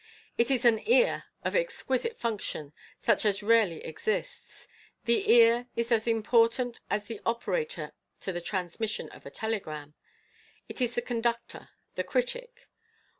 It is an ear of exquisite function, such as rarely exists. The ear is as important as is the operator to the transmission of a telegram. It is the conductor — the critic.